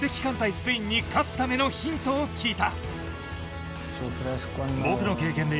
スペインに勝つためのヒントを聞いた。